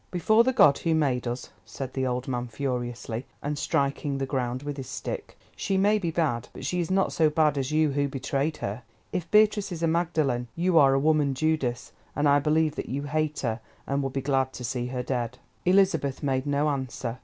"Before the God who made us," said the old man furiously, and striking the ground with his stick, "she may be bad, but she is not so bad as you who betrayed her. If Beatrice is a Magdalene, you are a woman Judas; and I believe that you hate her, and would be glad to see her dead." Elizabeth made no answer.